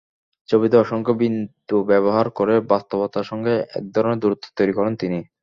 ছবিতে অসংখ্য বিন্দু ব্যবহার করে বাস্তবতার সঙ্গে একধরনের দূরত্ব তৈরি করেন তিনি।